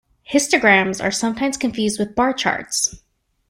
Histograms are sometimes confused with bar charts.